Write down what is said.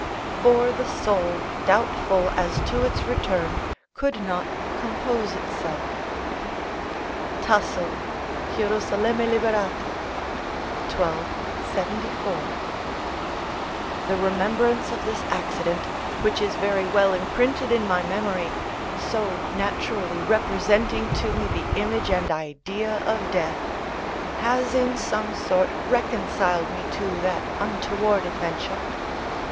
["For the soul, doubtful as to its return, could not compose itself" Tasso, Gierus. Lib., xii. 74.] The remembrance of this accident, which is very well imprinted in my memory, so naturally representing to me the image and idea of death, has in some sort reconciled me to that untoward adventure.